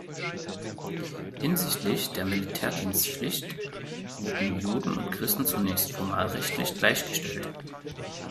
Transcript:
Hinsichtlich der Militärdienstpflicht wurden Juden und Christen zunächst formalrechtlich gleichgestellt.